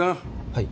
はい？